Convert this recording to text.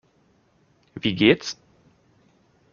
Wie geht's?